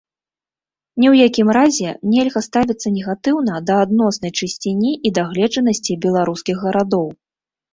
Ні ў якім разе нельга ставіцца негатыўна да адноснай чысціні і дагледжанасці беларускіх гарадоў.